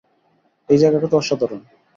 এই জায়গাটা তো অসাধারণ।